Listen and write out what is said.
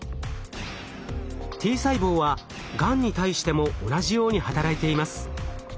Ｔ細胞はがんに対しても同じように働いています。